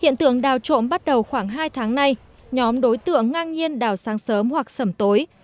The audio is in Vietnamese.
hiện tượng đào trộm bắt đầu khoảng hai tháng nay nhóm đối tượng ngang nhiên đào sáng sớm hoặc sầm tối